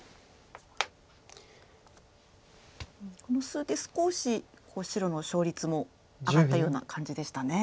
この数手少し白の勝率も上がったような感じでしたね。